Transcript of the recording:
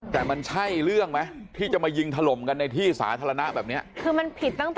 แต่มันใช่เรื่องไหมที่จะมายิงถล่มกันในที่สาธารณะแบบเนี๊ยะ